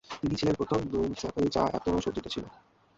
তিনি ছিলেন প্রথম নৌ চ্যাপেল যা এত সজ্জিত ছিল।